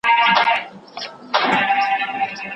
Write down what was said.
وروسته به پرېکړه وشي.